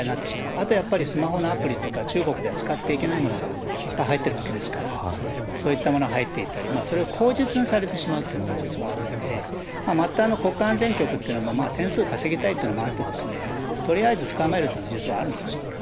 あとはやっぱりスマホのアプリとか中国では使ってはいけないものがいっぱい入ってるわけですから、そういったものが入っていたり、それを口実にされてしまうというのが実はあるので、末端の国家安全局というのも、点数稼ぎたいというのもあって、とりあえず捕まえるというのが実はあるんですよ。